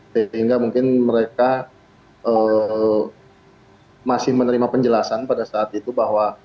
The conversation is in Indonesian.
sehingga mungkin mereka masih menerima penjelasan pada saat itu bahwa